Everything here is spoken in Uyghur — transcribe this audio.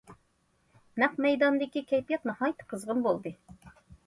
نەق مەيداندىكى كەيپىيات ناھايىتى قىزغىن بولدى.